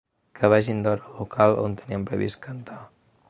Que vagin d’hora al local on tenen previst cantar.